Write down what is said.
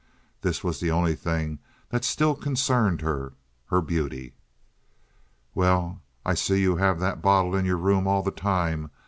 This was the only thing that still concerned her—her beauty. "Well, I see you have that bottle in your room all the time.